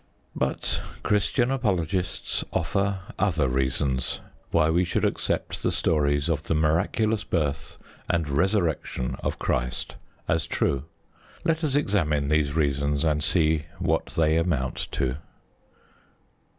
But Christian apologists offer other reasons why we should accept the stories of the miraculous birth and Resurrection of Christ as true. Let us examine these reasons, and see what they amount to.